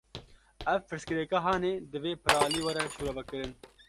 Ev pirsgirêka hanê, divê piralî were şîrovekirin